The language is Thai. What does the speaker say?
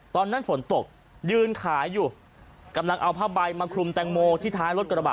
ตอนนั้นฝนตกยืนขายอยู่กำลังเอาผ้าใบมาคลุมแตงโมที่ท้ายรถกระบะ